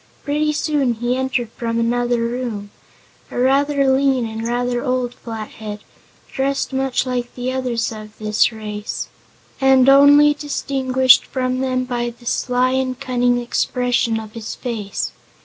Pretty soon he entered from another room a rather lean and rather old Flathead, dressed much like the others of this strange race, and only distinguished from them by the sly and cunning expression of his face.